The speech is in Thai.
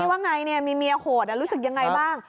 ว่าไงมีเมียโหดรู้สึกยังไงบ้าง